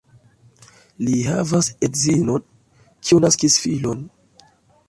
Li havas edzinon, kiu naskis filon.